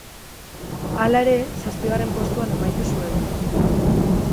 Hala ere zazpigarren postuan amaitu zuen.